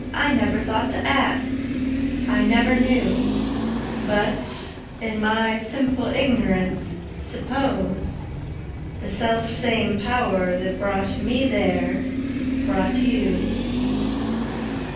I never thought to ask, I never knew:But, in my simple ignorance, supposeThe self same Power that brought me there brought you.